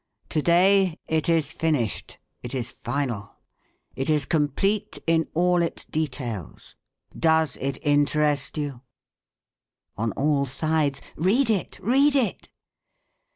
To day it is finished; it is final. It is complete in all its details. Does it interest you? (_On all sides: 'Read it, read it.'